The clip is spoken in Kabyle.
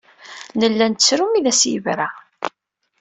Nella nettru mi as-yebra.